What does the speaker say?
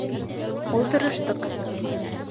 Ултырыштыҡ.